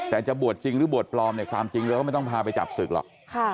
แต่จะบวชจริงหรือบวชปลอมเนี่ยความจริงเราก็ไม่ต้องพาไปจับศึกหรอก